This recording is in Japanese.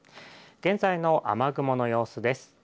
現在の雨雲の様子です。